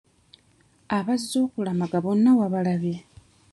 Abazze okulamaga bonna wabalabye?